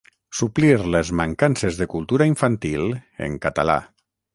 Suplir les mancances de cultura infantil en català.